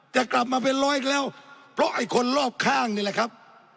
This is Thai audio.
จะกลับมาเป็นร้อยอีกแล้วเพราะไอ้คนรอบข้างนี่แหละครับ